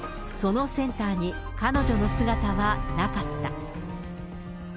そのセンターに彼女の姿はなかった。